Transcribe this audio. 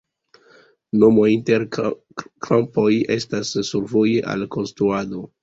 Nomoj inter krampoj estas survoje al konstruado.